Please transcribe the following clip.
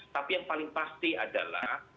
tapi yang paling pasti adalah